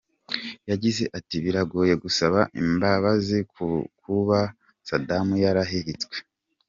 Yagize ati “ Biragoye gusaba imbabazi ku kuba Saddam yarahiritswe.